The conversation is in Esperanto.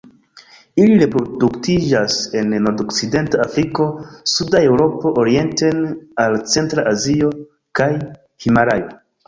Ili reproduktiĝas en nordokcidenta Afriko, suda Eŭropo orienten al centra Azio, kaj Himalajo.